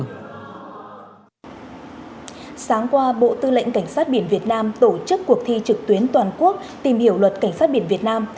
sáng qua bộ tư lệnh cảnh sát biển việt nam tổ chức cuộc thi trực tuyến toàn quốc tìm hiểu luật cảnh sát biển việt nam